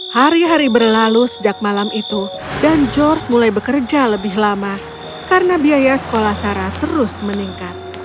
hari hari berlalu sejak malam itu dan george mulai bekerja lebih lama karena biaya sekolah sarah terus meningkat